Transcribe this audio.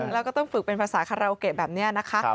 แล้วก็ต้องฝึกเป็นภาษาคาราโอเกะแบบนี้นะคะ